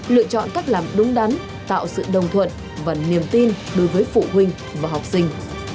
lựa chọn cách làm đúng đắn tạo sự đồng thuận và niềm tin đối với phụ huynh và học sinh